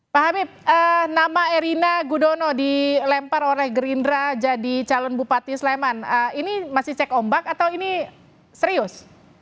pak habib nama erina gudono dilempar oleh gerindra jadi calon bupati sleman ini masih cek ombak atau ini serius